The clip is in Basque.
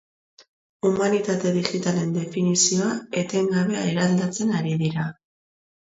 Humanitate digitalen definizioa etengabe eraldatzen ari dira.